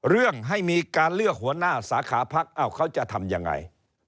เรื่องให้มีการเลือกหัวหน้าสาขาพักเขาจะทำยังไง